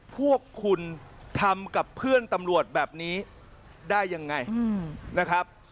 พวกคุณทำกับเพื่อนตำรวจแบบนี้ได้ยังไงนะครับ